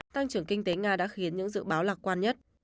tăng trưởng kinh tế nga đã khiến những dự báo lạc quan nhất